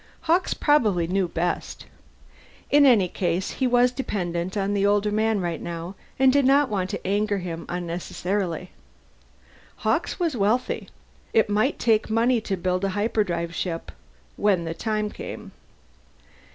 Hawkes probably knew best. In any case, he was dependent on the older man right now, and did not want to anger him unnecessarily. Hawkes was wealthy; it might take money to build a hyperdrive ship, when the time came.